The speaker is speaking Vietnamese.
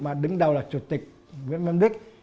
mà đứng đầu là chủ tịch việt nam biếc